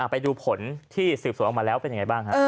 ไปดูผลที่สืบสวนออกมาแล้วเป็นยังไงบ้างครับ